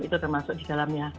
itu termasuk di dalamnya